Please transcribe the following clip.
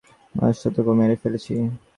মাতসুকোকে মেরে ফেলেছি!